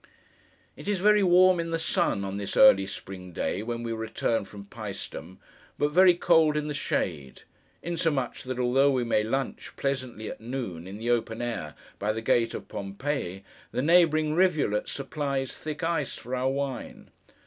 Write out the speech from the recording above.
It is very warm in the sun, on this early spring day, when we return from Pæstum, but very cold in the shade: insomuch, that although we may lunch, pleasantly, at noon, in the open air, by the gate of Pompeii, the neighbouring rivulet supplies thick ice for our wine.